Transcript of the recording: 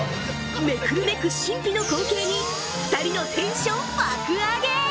目くるめく神秘の光景に２人のテンション爆上げ！